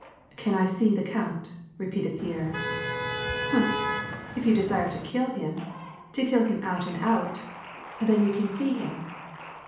" Can I see the count ?" repeated Pierre. " Hm ! If you desire to kill him, to kill him out and out. WAR AND PEACE. 61 then you can see him.